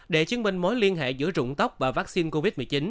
để chứng minh mối liên hệ giữa trụng tóc và vaccine covid một mươi chín